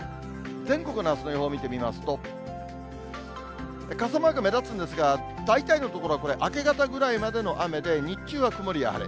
全国のあすの予報を見てみますと、傘マーク目立つんですが、大体の所はこれ、明け方ぐらいまでの雨で、日中は曇りや晴れ。